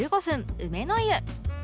梅の湯